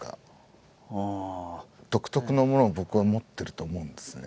独特のものを僕は持ってると思うんですね。